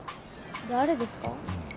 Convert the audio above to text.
誰ですか？